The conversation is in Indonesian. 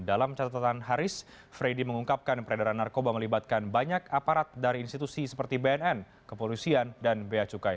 dalam catatan haris freddy mengungkapkan peredaran narkoba melibatkan banyak aparat dari institusi seperti bnn kepolisian dan beacukai